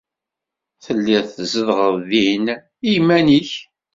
Telliḍ tzedɣeḍ din i yiman-nnek.